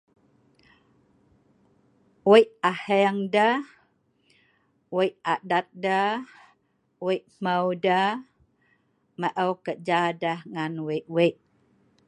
wei' ahe'eng deh, wei' adat deh, wei' hmeu deh, maou kerja deh ngan wei' wei'